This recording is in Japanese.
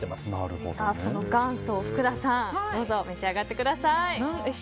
その元祖、福田さんどうぞ召し上がってください。